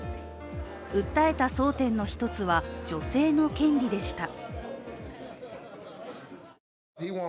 訴えた争点の１つは女性の権利でした。